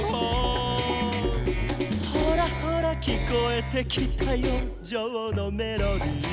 「ほらほらきこえてきたよジョーのメロディー」